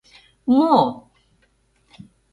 — М-мо...